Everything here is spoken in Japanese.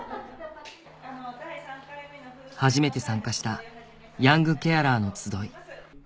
初めて参加したヤングケアラーの集い